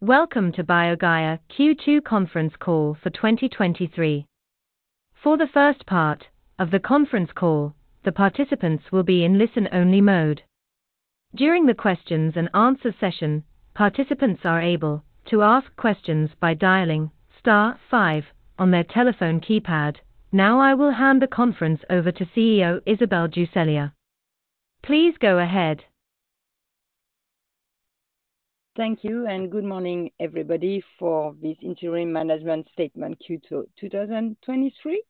Welcome to BioGaia Q2 conference call for 2023. For the first part of the conference call, the participants will be in listen-only mode. During the questions and answer session, participants are able to ask questions by dialing star five on their telephone keypad. I will hand the conference over to CEO Isabelle Ducellier. Please go ahead. Thank you and good morning, everybody, for this interim management statement, Q2 2023.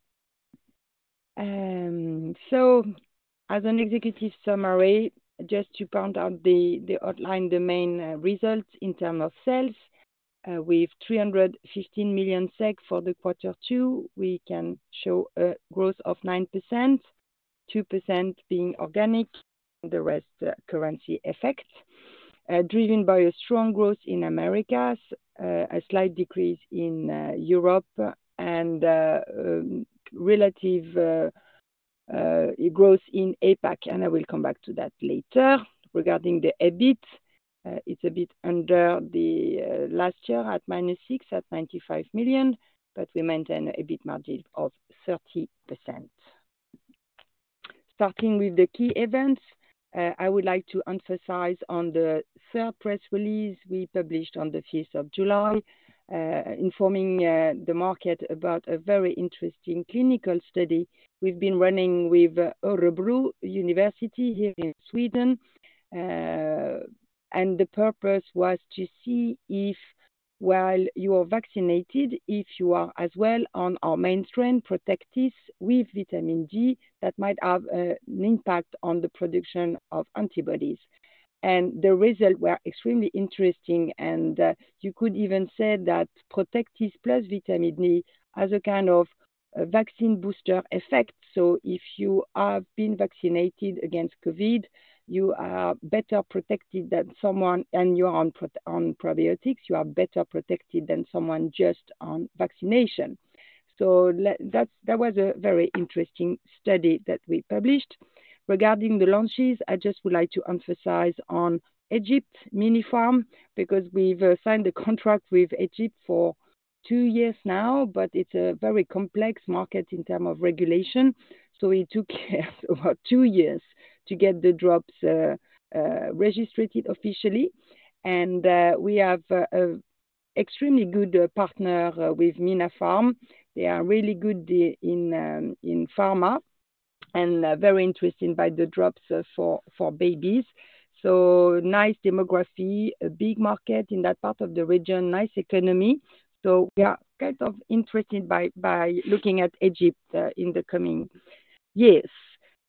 As an executive summary, just to point out the outline, the main results in terms of sales. With 315 million for Q2, we can show a growth of 9%, 2% being organic, the rest, currency effects. Driven by a strong growth in Americas, a slight decrease in Europe and relative growth in APAC, I will come back to that later. Regarding the EBIT, it's a bit under the last year at -6 at 95 million, but we maintain a EBIT margin of 30%. Starting with the key events, I would like to emphasize on the third press release we published on the 5th of July, informing the market about a very interesting clinical study we've been running with Örebro University here in Sweden. The purpose was to see if while you are vaccinated, if you are as well on our mainstream Protectis with vitamin D, that might have an impact on the production of antibodies. The results were extremely interesting, and you could even say that Protectis plus vitamin D has a kind of vaccine booster effect. If you have been vaccinated against COVID, you are better protected than someone, and you're on probiotics, you are better protected than someone just on vaccination. That was a very interesting study that we published. Regarding the launches, I just would like to emphasize on Egypt Minapharm, because we've signed a contract with Egypt for two years now, but it's a very complex market in term of regulation, so it took us about two years to get the drops registered officially. We have a extremely good partner with Minapharm. They are really good in pharma and very interested by the drops for babies. Nice demography, a big market in that part of the region, nice economy. We are kind of interested by looking at Egypt in the coming years.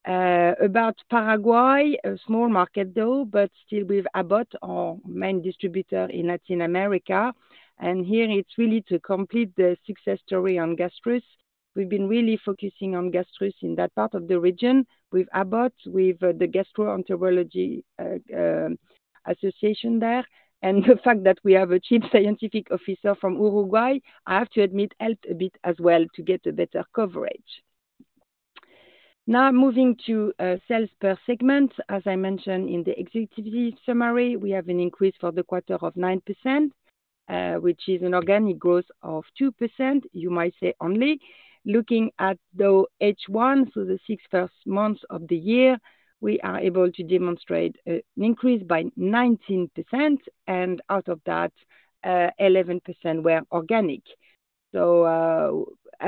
About Paraguay, a small market though, but still with Abbott, our main distributor in Latin America, and here it's really to complete the success story on Gastrus. We've been really focusing on Gastrus in that part of the region with Abbott, with the gastroenterology association there, the fact that we have a chief scientific officer from Uruguay, I have to admit, helped a bit as well to get a better coverage. Moving to sales per segment. As I mentioned in the executive summary, we have an increase for the quarter of 9%, which is an organic growth of 2%, you might say, only. Looking at the H1, so the six first months of the year, we are able to demonstrate an increase by 19%, out of that, 11% were organic.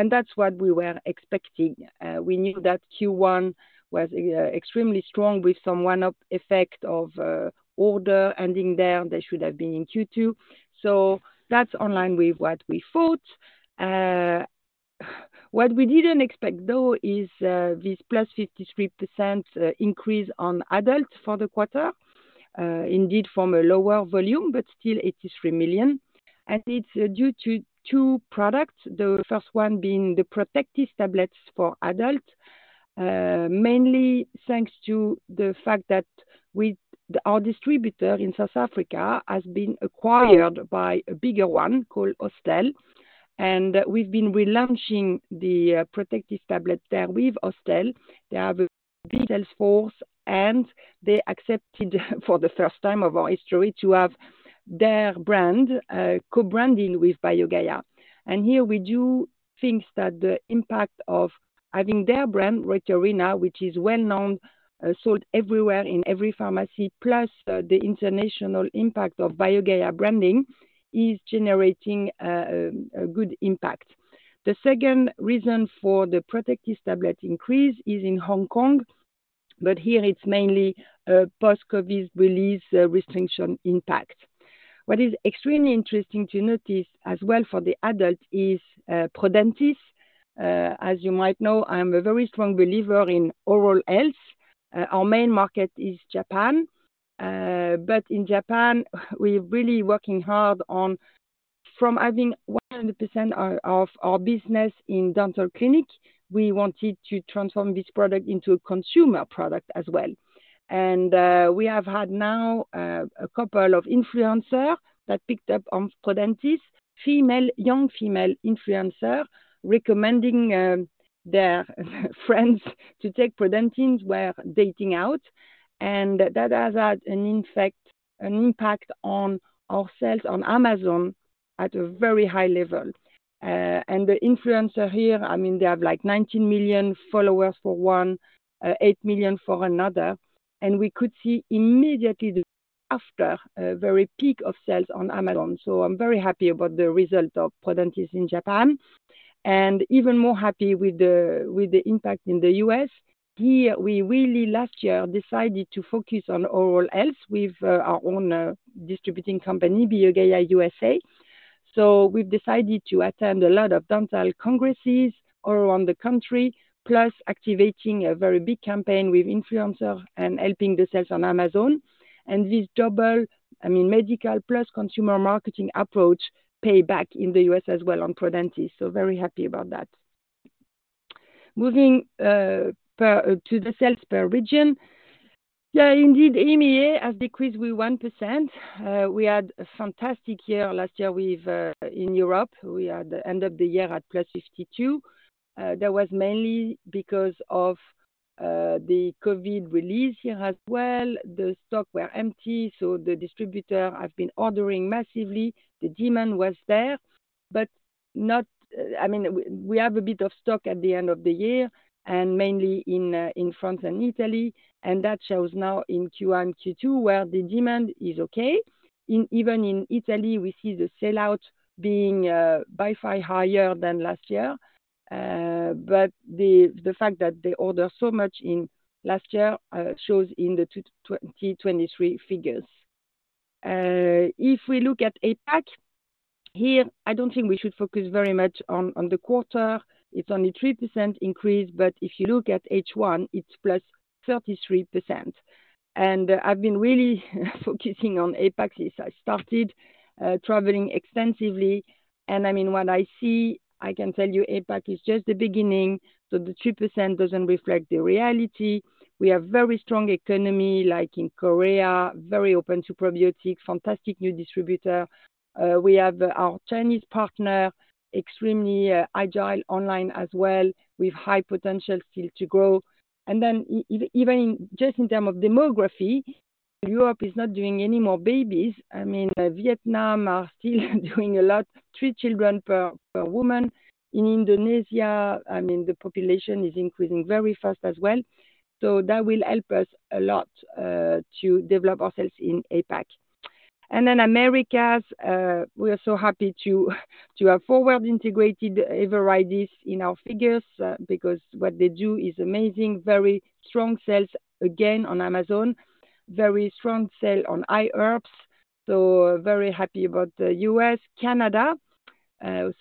That's what we were expecting. We knew that Q1 was extremely strong, with some one-up effect of order ending there. They should have been in Q2. That's in line with what we thought. What we didn't expect, though, is this plus 53% increase on adult for the quarter, indeed from a lower volume, but still 83 million. It's due to two products, the first one being the Protectis tablets for adult. Mainly thanks to the fact that with our distributor in South Africa, has been acquired by a bigger one called Austell, and we've been relaunching the Protectis tablet there with Austell. They have a big sales force, and they accepted, for the first time of our history, to have their brand co-branding with BioGaia. Here we do think that the impact of having their brand, Reuterina, which is well known, sold everywhere in every pharmacy, plus the international impact of BioGaia branding, is generating a good impact. The second reason for the Protectis tablet increase is in Hong Kong, here it's mainly post-COVID release restriction impact. What is extremely interesting to notice as well for the adult is Prodentis. As you might know, I'm a very strong believer in oral health. Our main market is Japan, in Japan, we're really working hard on from having 100% of our business in dental clinic, we wanted to transform this product into a consumer product as well. We have had now a couple of influencers that picked up on Prodentis. Female, young female influencers, recommending their friends to take Prodentis where dating out, that has had an impact on our sales on Amazon at a very high level. The influencer here, I mean, they have like 19 million followers for one, 8 million for another. We could see immediately after a very peak of sales on Amazon. I'm very happy about the result of Prodentis in Japan, and even more happy with the impact in the U.S. Here, we really last year decided to focus on oral health with our own distributing company, BioGaia USA. We've decided to attend a lot of dental congresses all around the country, plus activating a very big campaign with influencers and helping the sales on Amazon. This double, I mean, medical plus consumer marketing approach, pay back in the U.S. as well on Prodentis. Very happy about that. Moving to the sales per region. Indeed, EMEA has decreased with 1%. We had a fantastic year last year with in Europe. We had end of the year at +52%. That was mainly because of the COVID release here as well. The stock were empty. The distributor have been ordering massively. The demand was there, but I mean, we have a bit of stock at the end of the year, and mainly in France and Italy, and that shows now in Q1, Q2, where the demand is okay. Even in Italy, we see the sell-out being by far higher than last year. The fact that they order so much in last year shows in the 2023 figures. If we look at APAC, here, I don't think we should focus very much on the quarter. It's only 3% increase, if you look at H1, it's +33%. I've been really focusing on APAC since I started traveling extensively, I mean, what I see, I can tell you, APAC is just the beginning, so the 3% doesn't reflect the reality. We have very strong economy, like in Korea, very open to probiotics, fantastic new distributor. We have our Chinese partner, extremely agile online as well, with high potential still to grow. Even in just in term of demography, Europe is not doing any more babies. I mean, Vietnam are still doing a lot, three children per woman. In Indonesia, I mean, the population is increasing very fast as well. That will help us a lot to develop ourselves in APAC. Americas, we are so happy to have forward integrated Everidis in our figures, because what they do is amazing. Very strong sales, again on Amazon, very strong sale on iHerb, very happy about the U.S. Canada,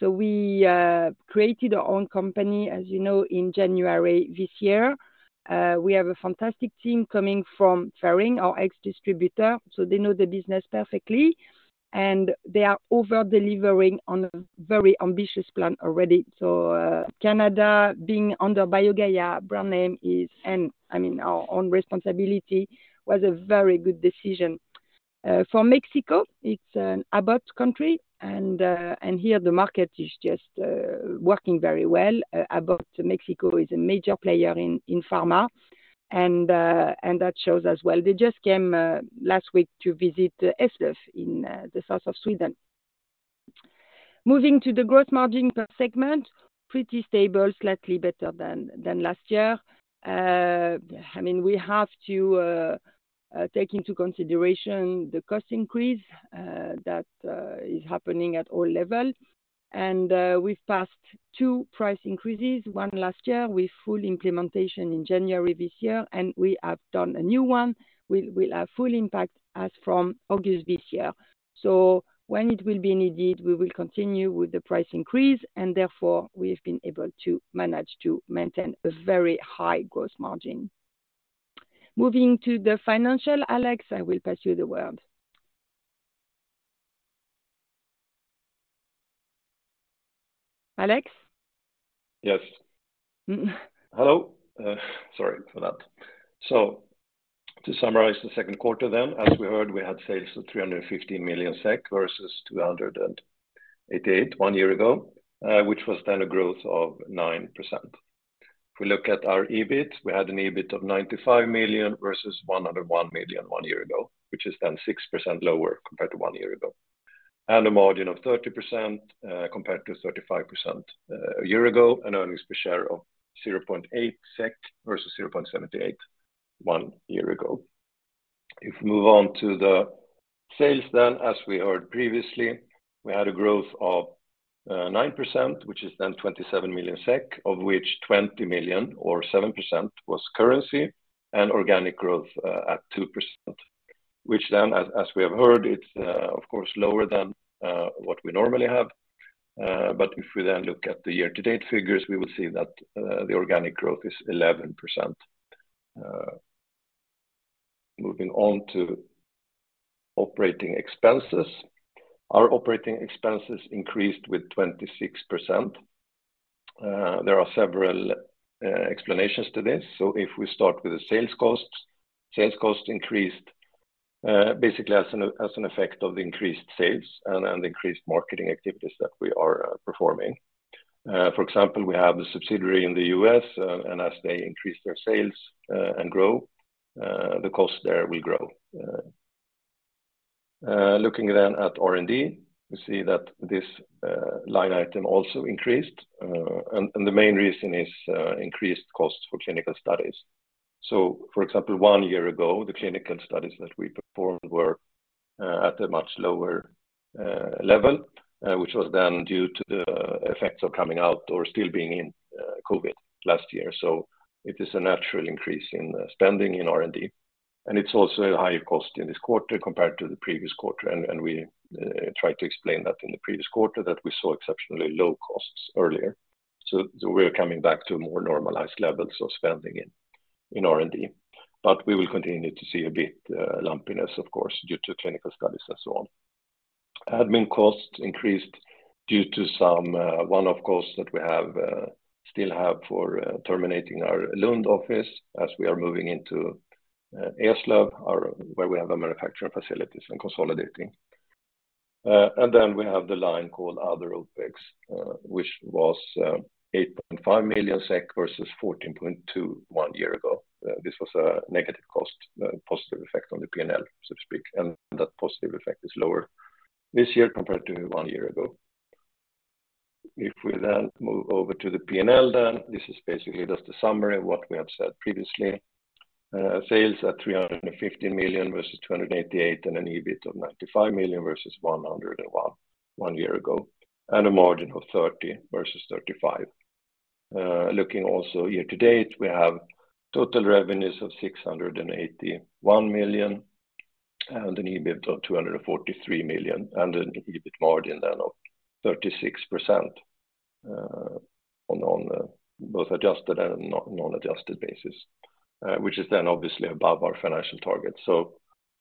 we created our own company, as you know, in January 2023. We have a fantastic team coming from Ferring, our ex-distributor, they know the business perfectly, and they are over-delivering on a very ambitious plan already. Canada being under BioGaia brand name is, and I mean, our own responsibility, was a very good decision. For Mexico, it's an Abbott country, here the market is just working very well. Abbott Mexico is a major player in pharma, that shows as well. They just came last week to visit Eslöv in the south of Sweden. Moving to the growth margin per segment, pretty stable, slightly better than last year. I mean, we have to take into consideration the cost increase that is happening at all levels. We've passed two price increases, one last year, with full implementation in January this year, and we have done a new one, which will have full impact as from August this year. When it will be needed, we will continue with the price increase, and therefore, we've been able to manage to maintain a very high growth margin. Moving to the financial, Alex, I will pass you the word. Alex? Yes. Mm. Hello. Sorry for that. To summarize the second quarter, as we heard, we had sales of 350 million SEK versus 288 million one year ago, which was a growth of 9%. If we look at our EBIT, we had an EBIT of 95 million versus 101 million one year ago, which is 6% lower compared to one year ago. A margin of 30% compared to 35% a year ago, and earnings per share of 0.8 SEK versus 0.78 one year ago. If we move on to the sales, then, as we heard previously, we had a growth of 9%, which is then 27 million SEK, of which 20 million or 7% was currency and organic growth, at 2%, which then, as we have heard, it's, of course, lower than what we normally have. If we then look at the year-to-date figures, we will see that the organic growth is 11%. Moving on to operating expenses. Our operating expenses increased with 26%. There are several explanations to this. If we start with the sales costs, sales costs increased, basically as an effect of the increased sales and increased marketing activities that we are performing. For example, we have a subsidiary in the U.S., and as they increase their sales, and grow, the cost there will grow. Looking then at R&D, you see that this line item also increased, and the main reason is increased costs for clinical studies. For example, one year ago, the clinical studies that we performed were at a much lower level, which was then due to the effects of coming out or still being in COVID last year. It is a natural increase in spending in R&D, and it's also a higher cost in this quarter compared to the previous quarter. We tried to explain that in the previous quarter, that we saw exceptionally low costs earlier. We're coming back to more normalized levels of spending in R&D, but we will continue to see a bit lumpiness, of course, due to clinical studies and so on. Admin costs increased due to some one-off costs that we still have for terminating our Lund office as we are moving into Eslöv, where we have a manufacturing facilities and consolidating. We have the line called Other OpEx, which was 8.5 million SEK versus 14.2 million one year ago. This was a negative cost positive effect on the P&L, so to speak, and that positive effect is lower this year compared to one year ago. We then move over to the P&L, this is basically just a summary of what we have said previously. Sales at 350 million versus 288 million. An EBIT of 95 million versus 101 million one year ago. A margin of 30% versus 35%. Looking also year to date, we have total revenues of 681 million. An EBIT of 243 million. An EBIT margin of 36% on both adjusted and non-adjusted basis, which is obviously above our financial target.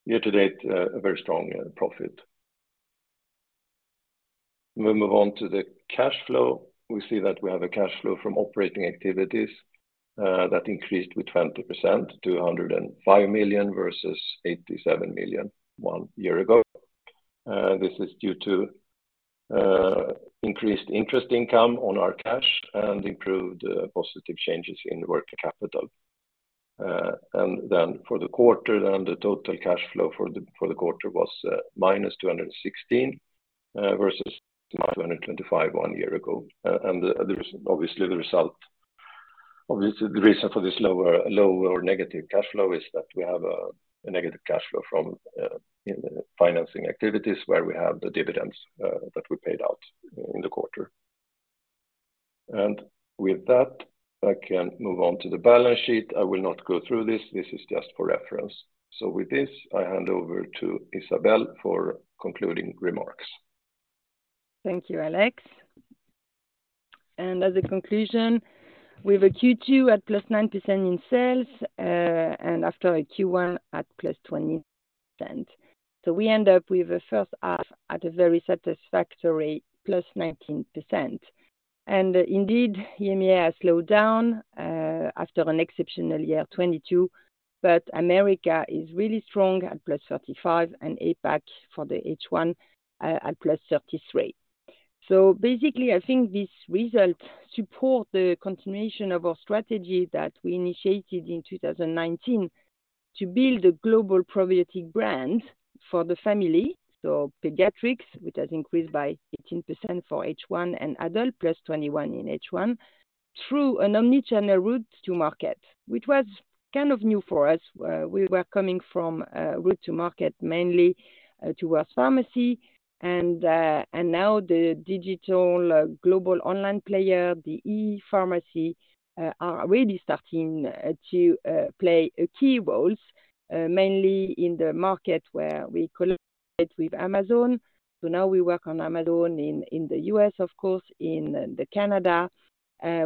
Year to date, a very strong profit. We move on to the cash flow. We see that we have a cash flow from operating activities that increased with 20% to 205 million versus 87 million one year ago. This is due to increased interest income on our cash and improved positive changes in working capital. Then for the quarter, the total cash flow for the quarter was -216 versus 225 one year ago. There's obviously the result. Obviously, the reason for this lower or negative cash flow is that we have a negative cash flow from in the financing activities, where we have the dividends that we paid out in the quarter. With that, I can move on to the balance sheet. I will not go through this. This is just for reference. With this, I hand over to Isabelle for concluding remarks. Thank you, Alex. As a conclusion, we have a Q2 at +19% in sales, and after a Q1 at +20%. We end up with a first half at a very satisfactory +19%. Indeed, EMEA has slowed down, after an exceptional year, 2022, but America is really strong at +35%, and APAC for the H1, at +33%. Basically, I think this result support the continuation of our strategy that we initiated in 2019 to build a global probiotic brand for the family. Pediatrics, which has increased by 18% for H1 and adult, +21% in H1, through an omnichannel route to market, which was kind of new for us. We were coming from a route to market, mainly towards pharmacy and now the digital global online player, the ePharmacy, are really starting to play a key roles, mainly in the market where we collaborate with Amazon. Now we work on Amazon in the U.S., of course, in the Canada.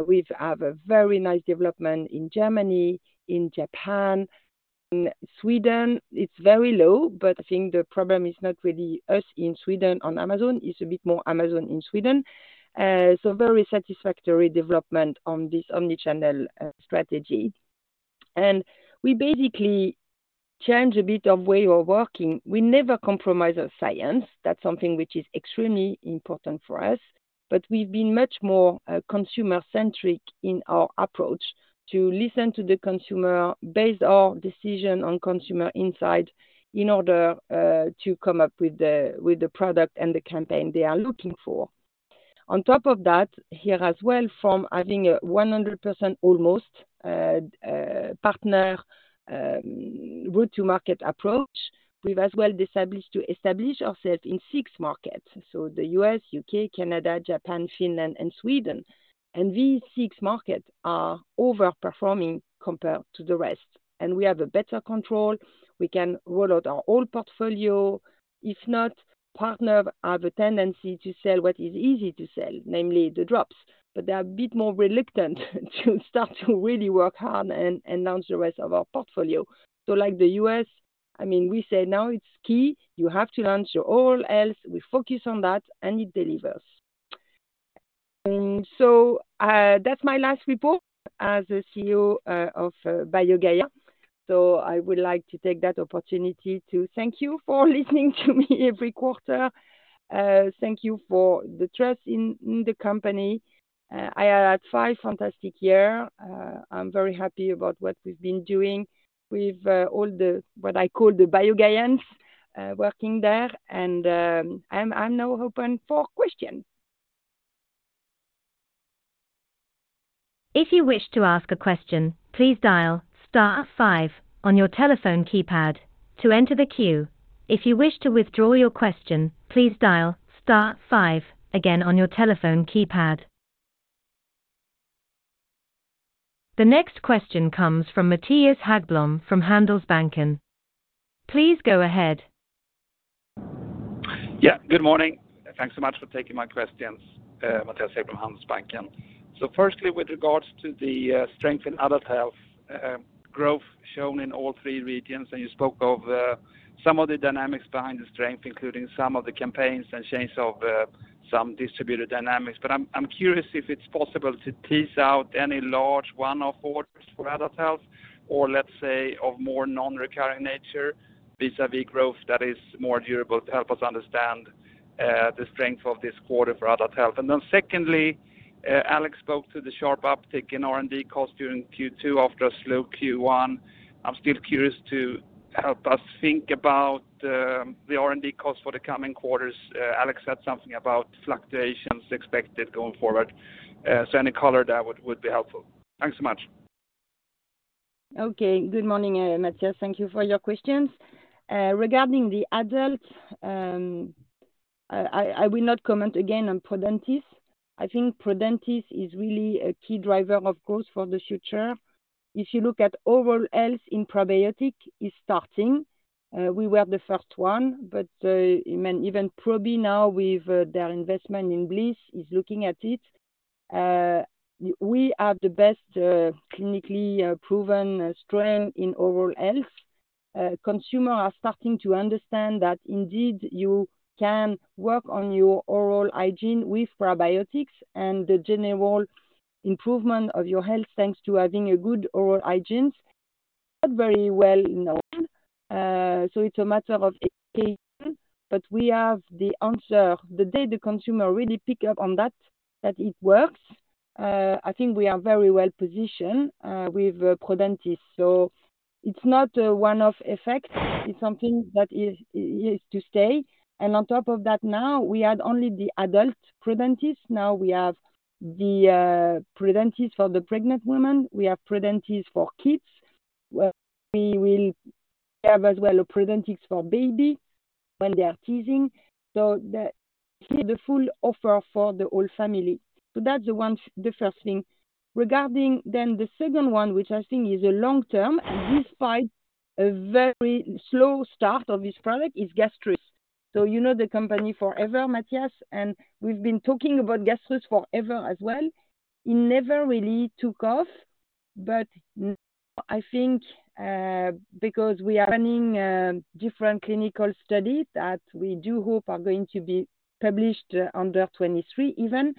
We've have a very nice development in Germany, in Japan, in Sweden. It's very low, but I think the problem is not really us in Sweden on Amazon, it's a bit more Amazon in Sweden. Very satisfactory development on this omnichannel strategy. We basically change a bit of way of working. We never compromise our science. That's something which is extremely important for us. We've been much more consumer centric in our approach to listen to the consumer, base our decision on consumer insight, in order to come up with the product and the campaign they are looking for. On top of that, here as well, from having a 100% almost partner route to market approach, we've as well established ourselves in six markets. The U.S., U.K., Canada, Japan, Finland and Sweden. These six markets are overperforming compared to the rest, and we have a better control. We can roll out our old portfolio. If not, partner have a tendency to sell what is easy to sell, namely the drops, but they are a bit more reluctant to start to really work hard and launch the rest of our portfolio. Like the U.S., I mean, we say now it's key. You have to launch your oral health. We focus on that, and it delivers. That's my last report as a CEO of BioGaia. I would like to take that opportunity to thank you for listening to me every quarter. Thank you for the trust in the company. I had five fantastic year. I'm very happy about what we've been doing with all the, what I call the BioGaians, working there, and I'm now open for questions. If you wish to ask a question, please dial star five on your telephone keypad to enter the queue. If you wish to withdraw your question, please dial star five again on your telephone keypad. The next question comes from Mattias Häggblom, from Handelsbanken. Please go ahead. Good morning. Thanks so much for taking my questions. Mattias here from Handelsbanken. Firstly, with regards to the strength in Adult Health, growth shown in all three regions, and you spoke of some of the dynamics behind the strength, including some of the campaigns and change of some distributor dynamics. I'm curious if it's possible to tease out any large one-off orders for Adult Health, or let's say, of more non-recurring nature, vis-a-vis growth that is more durable, to help us understand the strength of this quarter for Adult Health. Secondly, Alex spoke to the sharp uptick in R&D costs during Q2 after a slow Q1. I'm still curious to help us think about the R&D costs for the coming quarters. Alex said something about fluctuations expected going forward. Any color there would be helpful. Thanks so much. Good morning, Mattias. Thank you for your questions. Regarding the adult, I will not comment again on Prodentis. I think Prodentis is really a key driver, of course, for the future. If you look at oral health in probiotic is starting. We were the first one, but even Probi now with their investment in Blis, is looking at it. We are the best clinically proven strain in oral health. Consumer are starting to understand that indeed, you can work on your oral hygiene with probiotics and the general improvement of your health, thanks to having a good oral hygiene. Not very well known, so it's a matter of education, but we have the answer. The day the consumer really pick up on that it works, I think we are very well positioned with Prodentis. It's not a one-off effect, it's something that is to stay. On top of that, now, we had only the adult Prodentis. Now we have the Prodentis for the pregnant women, we have Prodentis for kids. Well, we will have as well, a Prodentis for baby when they are teething. Here the full offer for the whole family. That's the one, the first thing. Regarding then the second one, which I think is a long term, and despite a very slow start of this product, is Gastrus. You know the company forever, Mattias, and we've been talking about Gastrus forever as well. It never really took off, now I think, because we are running different clinical studies that we do hope are going to be published under 2023, even,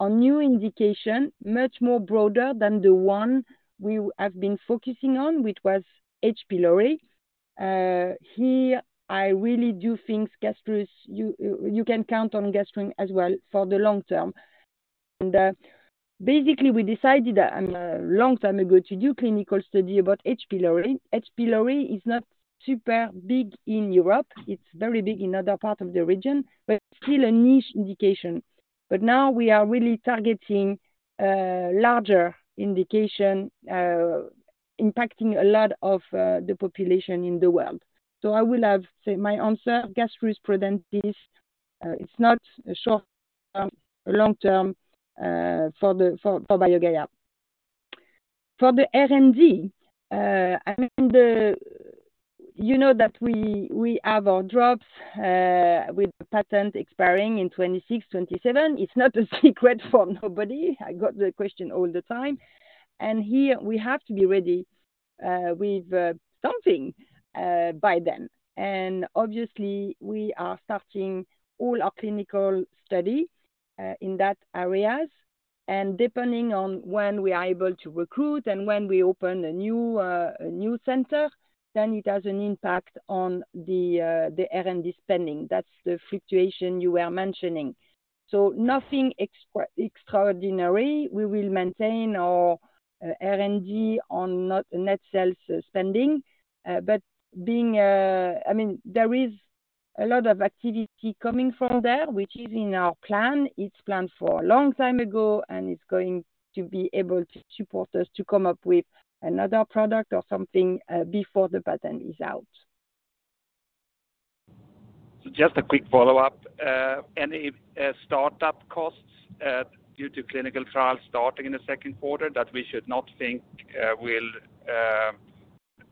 on new indication, much more broader than the one we have been focusing on, which was H. pylori. Here, I really do think Gastrus, you can count on Gastrus as well for the long term. Basically, we decided a long time ago to do clinical study about H. pylori. H. pylori is not super big in Europe. It's very big in other parts of the region, still a niche indication. Now we are really targeting larger indication, impacting a lot of the population in the world. I will have, say, my answer, Gastrus, Prodentis, it's not a short-term, long-term, for BioGaia. For the R&D, I mean, you know that we have our drops with the patent expiring in 2026, 2027. It's not a secret for nobody. I got the question all the time. Here we have to be ready with something by then. Obviously, we are starting all our clinical study in that areas, and depending on when we are able to recruit and when we open a new center, then it has an impact on the R&D spending. That's the fluctuation you were mentioning. Nothing extraordinary. We will maintain our R&D on not net sales spending, but being... I mean, there is a lot of activity coming from there, which is in our plan. It's planned for a long time ago, and it's going to be able to support us to come up with another product or something, before the patent is out. Just a quick follow-up. Any startup costs due to clinical trials starting in the second quarter that we should not think will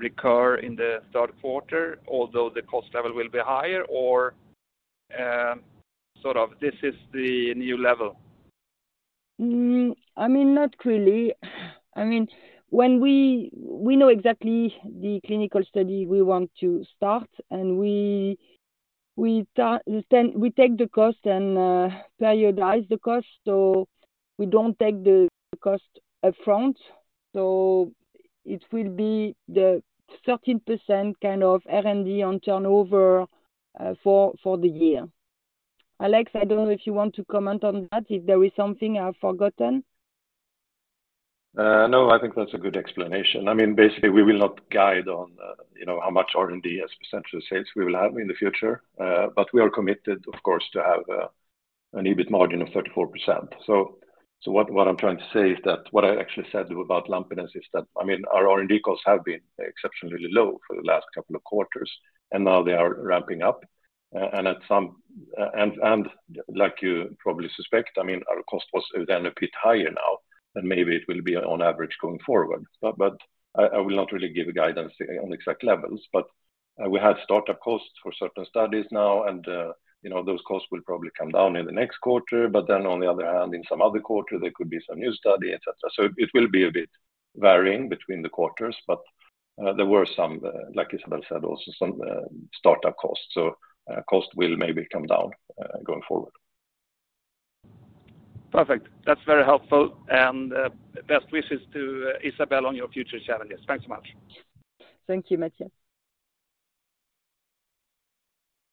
recur in the third quarter, although the cost level will be higher, or sort of this is the new level? I mean, not really. I mean, when we know exactly the clinical study we want to start, and we start, we take the cost and periodize the cost, so we don't take the cost upfront. It will be the 13% kind of R&D on turnover for the year. Alex, I don't know if you want to comment on that, if there is something I've forgotten. No, I think that's a good explanation. I mean, basically, we will not guide on, you know, how much R&D as a percentage of sales we will have in the future. We are committed, of course, to have, an EBIT margin of 34%. What I'm trying to say is that what I actually said about lumpiness is that, I mean, our R&D costs have been exceptionally low for the last couple of quarters, and now they are ramping up. Like you probably suspect, I mean, our cost was then a bit higher now, and maybe it will be on average going forward. I will not really give a guidance on the exact levels. We have startup costs for certain studies now. You know, those costs will probably come down in the next quarter. On the other hand, in some other quarter, there could be some new study, et cetera. It will be a bit varying between the quarters. There were some, like Isabelle said, also some startup costs. Cost will maybe come down going forward. Perfect. That's very helpful. Best wishes to Isabelle on your future challenges. Thanks so much. Thank you, Mattias.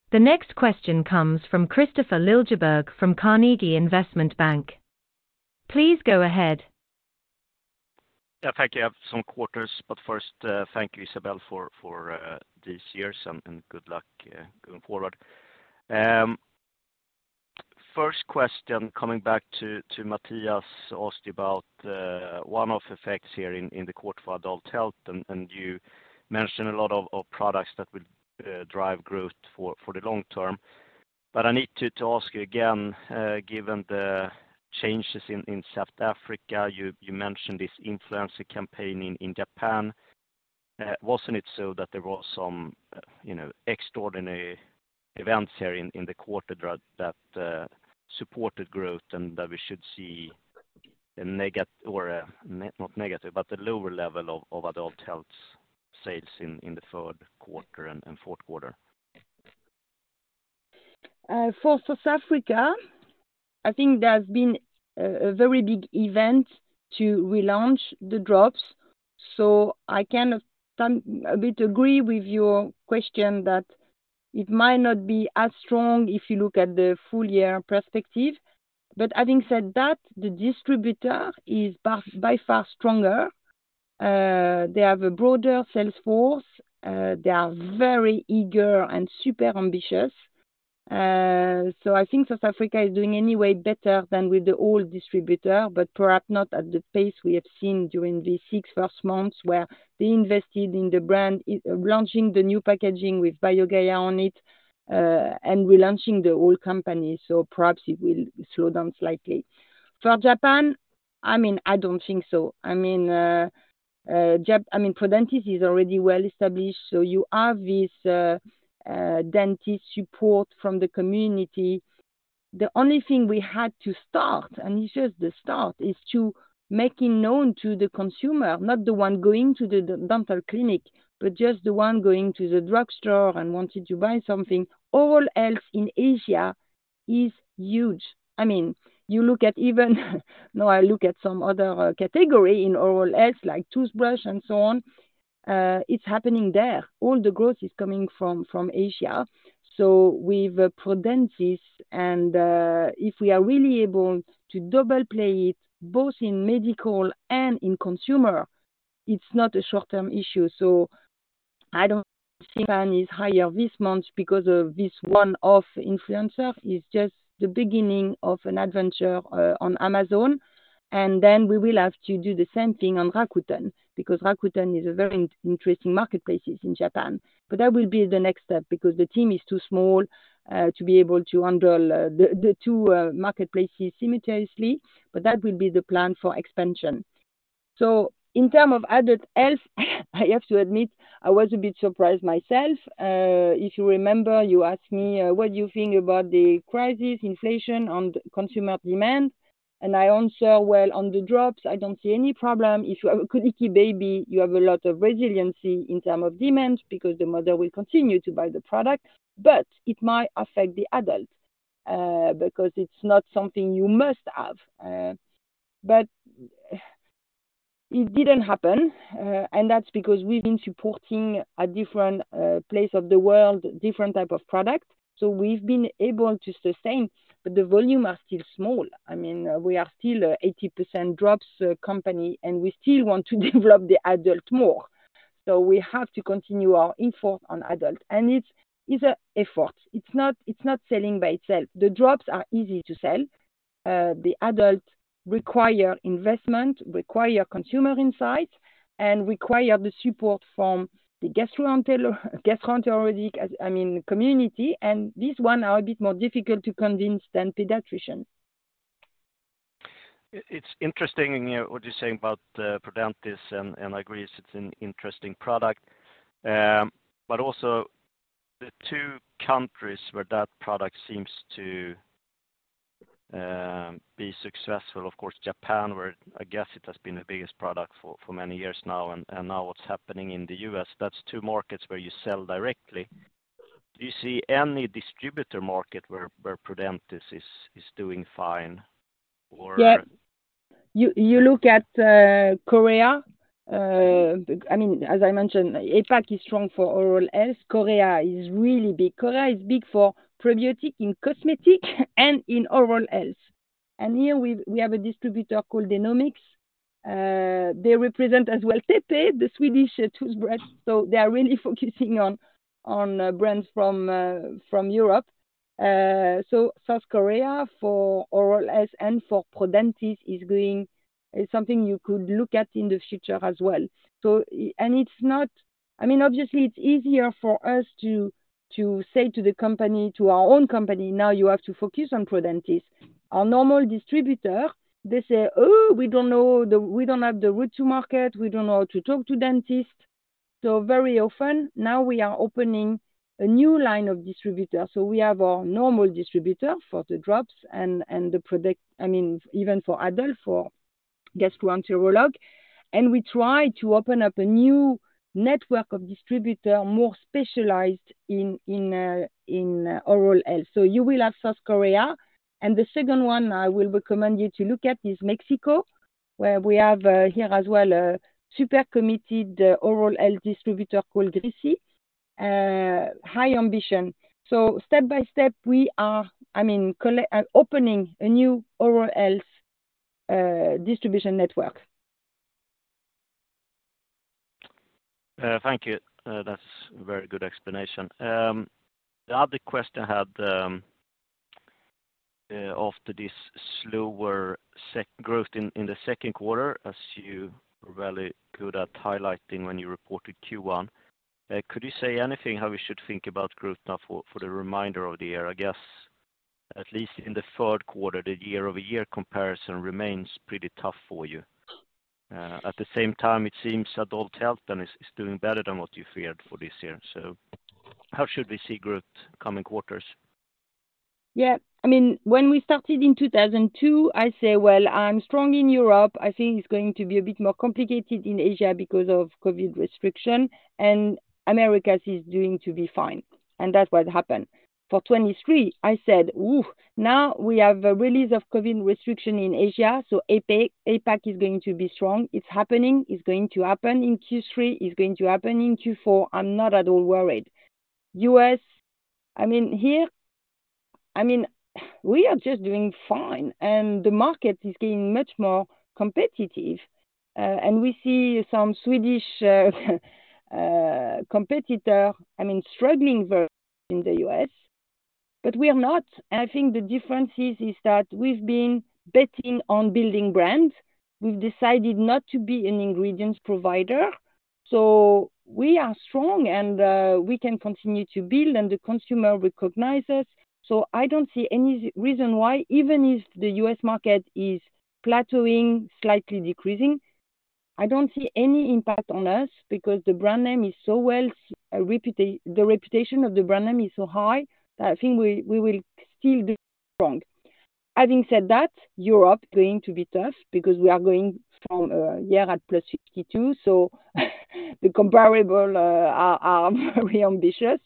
The next question comes from Kristofer Liljeberg, from Carnegie Investment Bank. Please go ahead. Yeah, thank you. I have some quarters, but first, thank you, Isabelle, for these years, and good luck going forward. First question, coming back to Mattias, asked about one of effects here in the quarter for Adult Health, and you mentioned a lot of products that will drive growth for the long term. I need to ask you again, given the changes in South Africa, you mentioned this influencer campaign in Japan. Wasn't it so that there was some, you know, extraordinary events here in the quarter that supported growth, and that we should see a or not negative, but the lower level of Adult Health sales in the third quarter and fourth quarter? For South Africa, I think there's been a very big event to relaunch the drops. I kind of some, a bit agree with your question, that it might not be as strong if you look at the full year perspective. The distributor is far, by far stronger. They have a broader sales force, they are very eager and super ambitious. I think South Africa is doing anyway better than with the old distributor, but perhaps not at the pace we have seen during these six first months, where they invested in the brand, launching the new packaging with BioGaia on it, and relaunching the whole company. Perhaps it will slow down slightly. For Japan, I mean, I don't think so. Prodentis is already well established, so you have this dentist support from the community. The only thing we had to start, and it's just the start, is to make it known to the consumer, not the one going to the dental clinic, but just the one going to the drugstore and wanted to buy something. Oral health in Asia is huge. You look at even, now, I look at some other category in oral health, like toothbrush and so on, it's happening there. All the growth is coming from Asia. With Prodentis and if we are really able to double play it, both in medical and in consumer, it's not a short-term issue. I don't see Japan is higher this month because of this one-off influencer. It's just the beginning of an adventure on Amazon. Then we will have to do the same thing on Rakuten, because Rakuten is a very interesting marketplace in Japan. That will be the next step, because the team is too small to be able to handle the two marketplaces simultaneously, but that will be the plan for expansion. In terms of Adult Health, I have to admit, I was a bit surprised myself. If you remember, you asked me what do you think about the crisis, inflation on consumer demand? I answer, well, on the drops, I don't see any problem. If you have a colicky baby, you have a lot of resiliency in term of demands because the mother will continue to buy the product, it might affect the adult, because it's not something you must have. It didn't happen, and that's because we've been supporting a different place of the world, different type of product, so we've been able to sustain, the volume are still small. I mean, we are still a 80% drops company, and we still want to develop the adult more. We have to continue our effort on adult, and it's a effort. It's not selling by itself. The drops are easy to sell. The adult require investment, require consumer insight, and require the support from the gastroenterology, I mean, community, and these one are a bit more difficult to convince than pediatrician. It's interesting what you're saying about Prodentis, and I agree, it's an interesting product. But also the two countries where that product seems to be successful. Of course, Japan, where I guess it has been the biggest product for many years now, and now what's happening in the US, that's two markets where you sell directly. Do you see any distributor market where Prodentis is doing fine or? Yeah. You look at Korea. I mean, as I mentioned, APAC is strong for oral health. Korea is really big. Korea is big for probiotic in cosmetic and in oral health. Here we have a distributor called Denomics. They represent as well TePe, the Swedish toothbrush, so they are really focusing on brands from Europe. South Korea for oral health and for Prodentis is going... It's something you could look at in the future as well. I mean, obviously, it's easier for us to say to the company, to our own company, now you have to focus on Prodentis. Our normal distributor, they say, "Oh, we don't have the route to market. We don't know how to talk to dentists. Very often now we are opening a new line of distributor. We have our normal distributor for the drops and the product, I mean, even for adult, for Gastroenterology, and we try to open up a new network of distributor, more specialized in oral health. You will have South Korea, and the second one I will recommend you to look at is Mexico, where we have here as well, a super committed oral health distributor called Drisi, high ambition. Step by step, we are, I mean, opening a new oral health distribution network. Thank you. That's a very good explanation. The other question I had after this slower growth in the second quarter, as you were really good at highlighting when you reported Q1. Could you say anything how we should think about growth now for the remainder of the year? I guess at least in the third quarter, the year-over-year comparison remains pretty tough for you. At the same time, it seems Adult Health then is doing better than what you feared for this year. How should we see growth coming quarters? Yeah. I mean, when we started in 2002, I say, well, I'm strong in Europe. I think it's going to be a bit more complicated in Asia because of COVID restriction, Americas is going to be fine, and that's what happened. For 2023, I said, "Ooh, now we have a release of COVID restriction in Asia, APAC is going to be strong. It's happening. It's going to happen in Q3. It's going to happen in Q4. I'm not at all worried." U.S., I mean, here, I mean, we are just doing fine, the market is getting much more competitive, we see some Swedish competitor, I mean, struggling very in the U.S., we are not. I think the difference is that we've been betting on building brands. We've decided not to be an ingredients provider, we are strong and we can continue to build, and the consumer recognizes. I don't see any reason why, even if the U.S. market is plateauing, slightly decreasing, I don't see any impact on us because the brand name is so well the reputation of the brand name is so high, I think we will still be strong. Having said that, Europe going to be tough because we are going from year at +62, the comparable are very ambitious,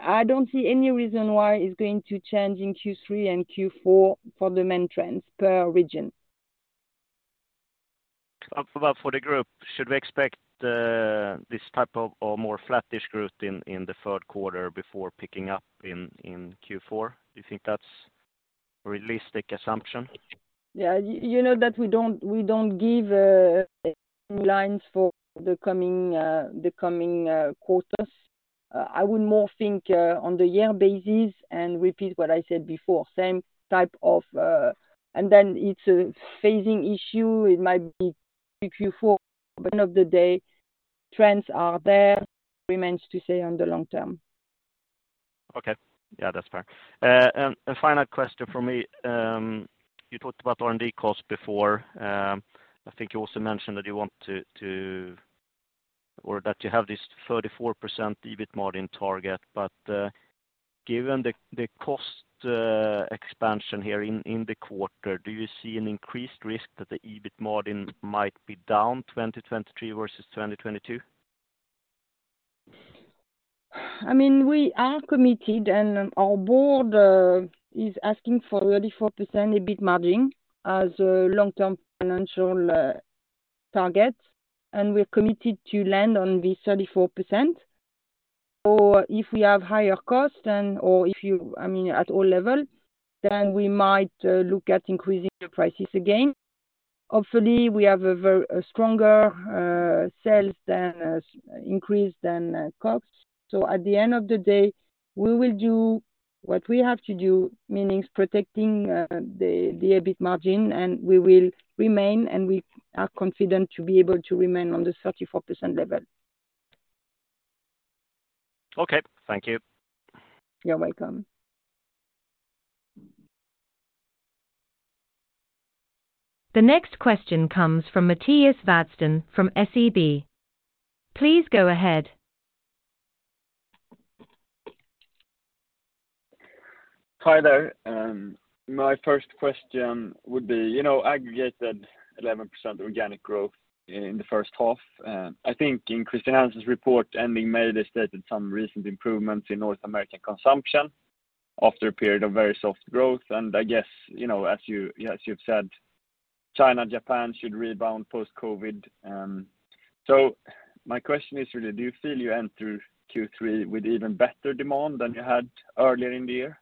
I don't see any reason why it's going to change in Q3 and Q4 for the main trends per region. For the group, should we expect this type of or more flattish growth in the third quarter before picking up in Q4? Do you think that's a realistic assumption? Yeah, you know that we don't give lines for the coming quarters. I would more think on the year basis and repeat what I said before, same type of. It's a phasing issue. It might be Q4, end of the day, trends are there, remains to say on the long term. Okay. Yeah, that's fair. A final question for me. You talked about R&D costs before. I think you also mentioned that you want to or that you have this 34% EBIT margin target, given the cost expansion here in the quarter, do you see an increased risk that the EBIT margin might be down 2023 versus 2022? I mean, we are committed, and our board is asking for 34% EBIT margin as a long-term financial target, and we're committed to land on this 34%. If we have higher costs then, I mean, at all level, then we might look at increasing the prices again. Hopefully, we have a stronger sales than increase than costs. At the end of the day, we will do what we have to do, meaning protecting the EBIT margin, and we will remain, and we are confident to be able to remain on the 34% level. Okay, thank you. You're welcome. The next question comes from Mattias Vadsten from SEB. Please go ahead. Hi there. My first question would be, you know, aggregated 11% organic growth in the first half. I think in Chr. Hansen's report ending May, they stated some recent improvements in North American consumption after a period of very soft growth. I guess, you know, as you, as you've said, China, Japan should rebound post-COVID. My question is really, do you feel you enter Q3 with even better demand than you had earlier in the year?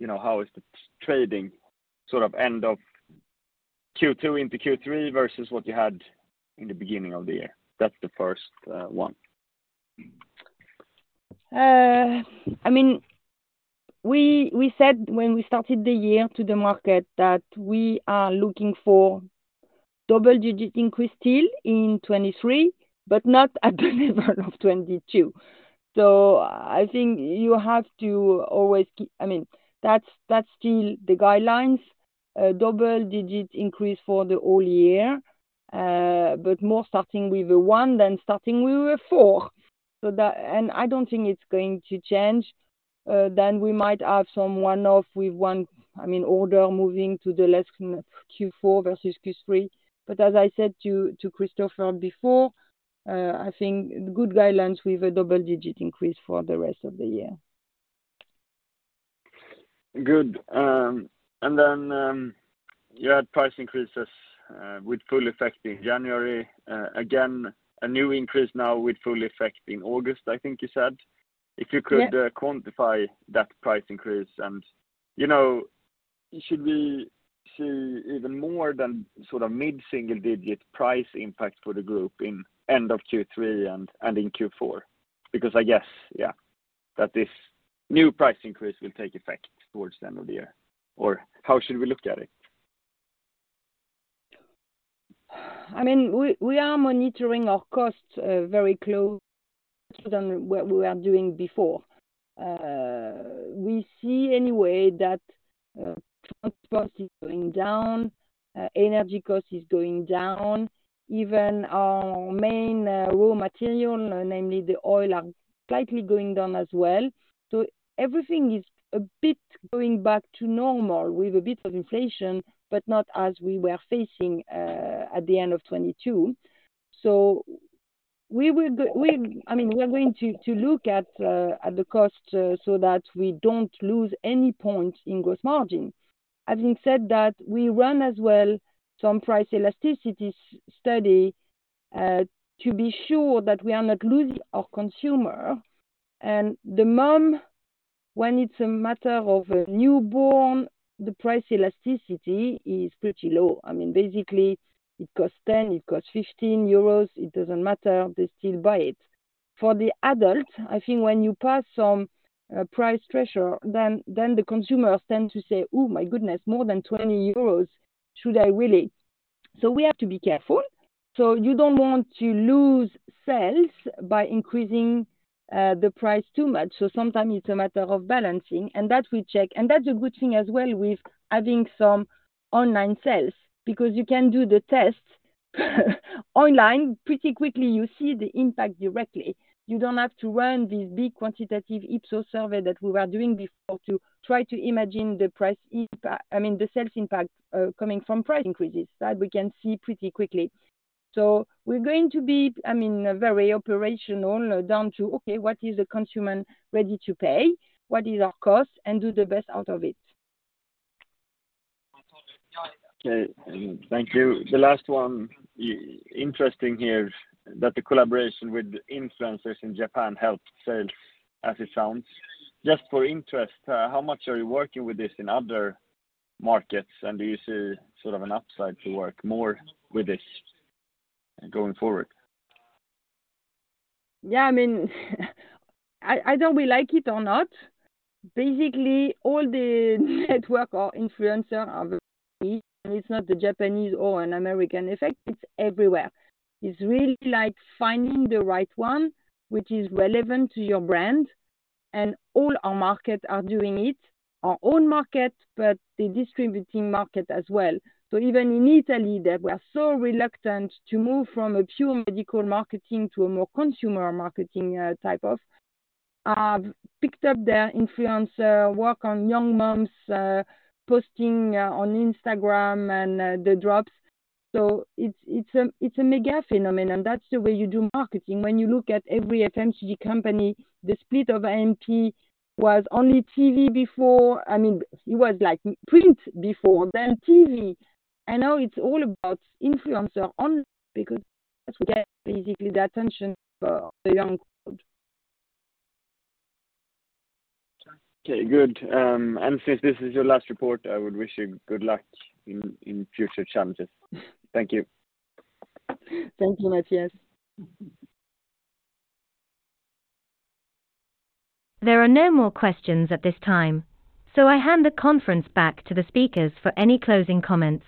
You know, how is the trading sort of end of Q2 into Q3 versus what you had in the beginning of the year? That's the first one. I mean, we said when we started the year to the market, that we are looking for double-digit increase still in 2023, but not at the level of 2022. I think you have to always keep. I mean, that's still the guidelines, double-digit increase for the whole year, but more starting with a 1 than starting with a 4. I don't think it's going to change. We might have some 1-off with 1, I mean, order moving to the less Q4 versus Q3. As I said to Kristofer before, I think good guidelines with a double-digit increase for the rest of the year. Good. You had price increases, with full effect in January. Again, a new increase now with full effect in August, I think you said. Yeah. If you could, quantify that price increase and, you know, should we see even more than sort of mid-single digit price impact for the group in end of Q3 and in Q4? Because I guess, yeah, that this new price increase will take effect towards the end of the year. Or how should we look at it? I mean, we are monitoring our costs very close than what we were doing before. We see anyway that transport is going down, energy cost is going down. Even our main raw material, namely the oil, are slightly going down as well. Everything is a bit going back to normal with a bit of inflation, but not as we were facing at the end of 2022. I mean, we are going to look at the cost so that we don't lose any point in gross margin. Having said that, we run as well some price elasticity study to be sure that we are not losing our consumer. The mom, when it's a matter of a newborn, the price elasticity is pretty low. I mean, basically, it costs 10, it costs 15 euros, it doesn't matter, they still buy it. For the adult, I think when you pass some price threshold, then the consumers tend to say: "Oh, my goodness, more than 20 euros, should I really?" We have to be careful. You don't want to lose sales by increasing the price too much. Sometime it's a matter of balancing, and that we check. And that's a good thing as well with having some online sales, because you can do the test online, pretty quickly, you see the impact directly. You don't have to run this big quantitative Ipsos survey that we were doing before to try to imagine the price impact, I mean, the sales impact coming from price increases. That we can see pretty quickly. We're going to be, I mean, very operational down to, okay, what is the consumer ready to pay? What is our cost? Do the best out of it. Okay, thank you. The last one, interesting here, that the collaboration with influencers in Japan helped sales, as it sounds. Just for interest, how much are you working with this in other markets? Do you see sort of an upside to work more with this going forward? I mean, either we like it or not, basically, all the network or influencer are. It's not the Japanese or an American effect, it's everywhere. It's really like finding the right one, which is relevant to your brand, and all our markets are doing it, our own market, but the distributing market as well. Even in Italy, they were so reluctant to move from a pure medical marketing to a more consumer marketing, type of, picked up their influencer work on young moms, posting, on Instagram and, the drops. It's a mega phenomenon. That's the way you do marketing. When you look at every FMCG company, the split of A&P was only TV before. I mean, it was like print before then TV. Now it's all about influencer on because that's where basically the attention of the young crowd. Okay, good. Since this is your last report, I would wish you good luck in future challenges. Thank you. Thank you, Mattias. There are no more questions at this time. I hand the conference back to the speakers for any closing comments.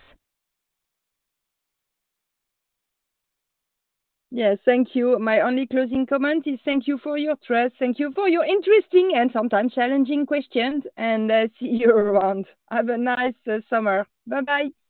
Thank you. My only closing comment is thank you for your trust, thank you for your interesting and sometimes challenging questions, and I see you around. Have a nice summer. Bye-bye.